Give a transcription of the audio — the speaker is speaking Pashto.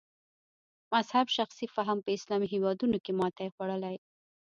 مذهب شخصي فهم په اسلامي هېوادونو کې ماتې خوړلې.